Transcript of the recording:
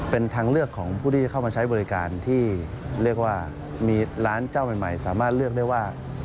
เป็นทางเลือกของผู้ที่จะเข้ามาใช้บริการที่เรียกว่ามีร้านเจ้าใหม่สามารถเลือกได้ว่า